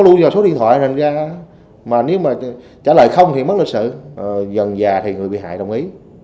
lũa số điện thoại thành ra mà nếu mà trả lời không thì mất lịch sự dần già thì người bị hại đồng ý